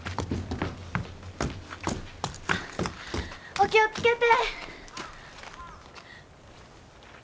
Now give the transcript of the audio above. お気を付けて！